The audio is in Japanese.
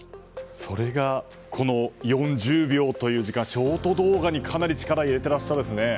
それがこの４０秒という時間ショート動画にかなり力を入れてらっしゃるんですね。